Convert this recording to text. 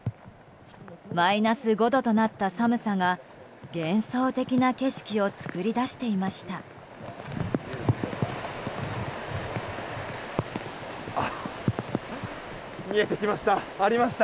マイナス５度となった寒さが幻想的な景色を作り出していました。